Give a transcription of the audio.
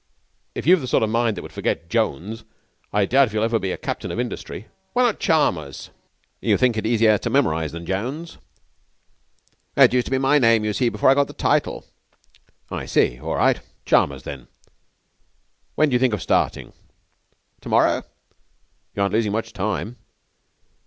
'If you've the sort of mind that would forget Jones I doubt if ever you'll be a captain of industry.' 'Why not Chalmers?' 'You think it easier to memorize than Jones?' 'It used to be my name, you see, before I got the title.' 'I see. All right. Chalmers then. When do you think of starting?' 'To morrow.' 'You aren't losing much time.